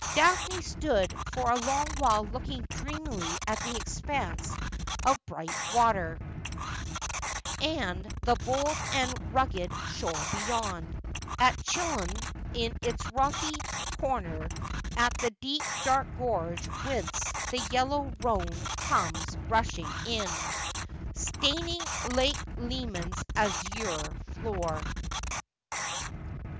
Daphne stood for a long while looking dreamily at the expanse of bright water, and the bold and rugged shore beyond ; at Chillon in its rocky corner ; at the deep dark gorge whence the yellow Rhone comes rushing in, staining Lake Leman's azure floor.